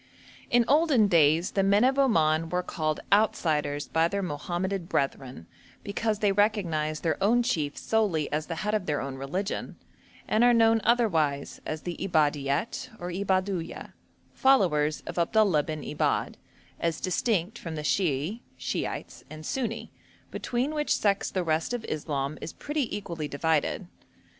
In olden days the men of Oman were called 'outsiders' by their Mohammedan brethren, because they recognised their own chief solely as the head of their own religion, and are known otherwise as the Ibadiet or Ibadhuyah, followers of Abdullah bin Ibadh, as distinct from the Shiahi (Shiites) and Sunni, between which sects the rest of Islam is pretty equally divided.